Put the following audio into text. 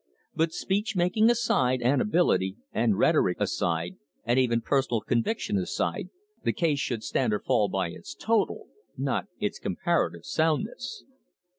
But, speech making aside, and ability and rhetoric aside, and even personal conviction aside, the case should stand or fall by its total, not its comparative, soundness.